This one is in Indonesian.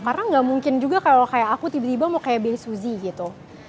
karena nggak mungkin juga kalau kayak aku tiba tiba mau kayak beli suzie gitu